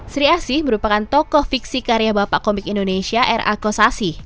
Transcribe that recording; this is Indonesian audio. seri asi merupakan tokoh fiksi karya bapak komik indonesia r a kosasi